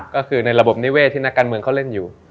ก็คือในระบบนิเวศที่นักการเมืองเขาเล่นอยู่